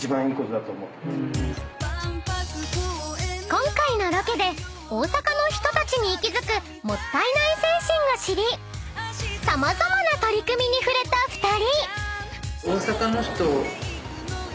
［今回のロケで大阪の人たちに息づくもったいない精神を知り様々な取り組みに触れた２人］